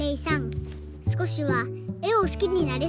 すこしは絵をすきになれそうですか？